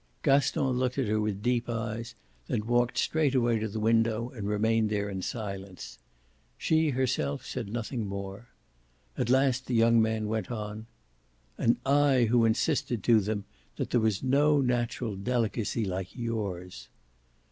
Gaston looked at her with deep eyes, then walked straight away to the window and remained there in silence. She herself said nothing more. At last the young man went on: "And I who insisted to them that there was no natural delicacy like yours!"